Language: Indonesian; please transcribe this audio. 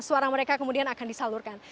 suara mereka kemudian akan disalurkan